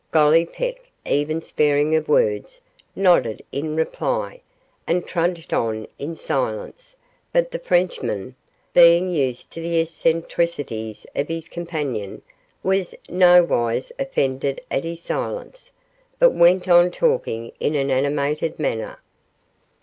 Gollipeck, ever sparing of words, nodded in reply, and trudged on in silence, but the Frenchmen, being used to the eccentricities of his companion, was in nowise offended at his silence, but went on talking in an animated manner.